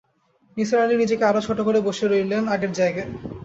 নিসার আলি নিজেকে আরো ছোট করে বসে রইলেন আগের জায়গায়।